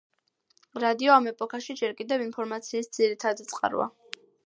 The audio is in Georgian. რადიო ამ ეპოქაში ჯერ კიდევ ინფორმაციის ძირითადი წყაროა.